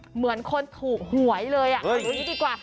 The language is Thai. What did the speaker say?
เหมือนคนถูกหวยเลยเอาดูนี้ดีกว่า